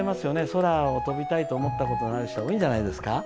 空を飛びたいと思ったことがある人、多いんじゃないですか。